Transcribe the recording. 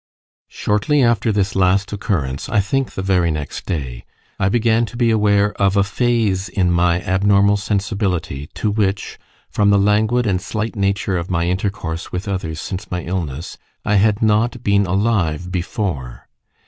Shortly after this last occurrence I think the very next day I began to be aware of a phase in my abnormal sensibility, to which, from the languid and slight nature of my intercourse with others since my illness, I had not been alive before.